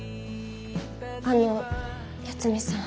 あの八海さん。